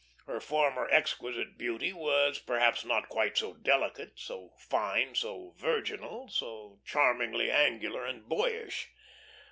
Her former exquisite beauty was perhaps not quite so delicate, so fine, so virginal, so charmingly angular and boyish.